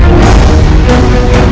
aku akan menang